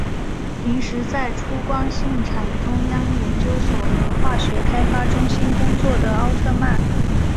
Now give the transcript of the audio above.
平时在出光兴产中央研究所和化学开发中心工作的奥特曼。